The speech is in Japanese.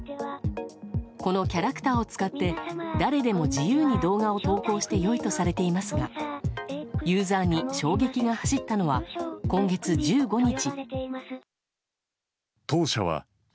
このキャラクターを使って誰でも自由に動画を投稿してよいとされていますがユーザーに衝撃が走ったのは今月１５日。